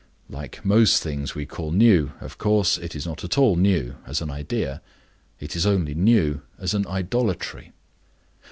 Like most things we call new, of course, it is not at all new as an idea; it is only new as an idolatry.